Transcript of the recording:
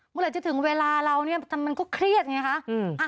เมื่อไหร่จะถึงเวลาเราเนี่ยมันก็เครียดไงคะ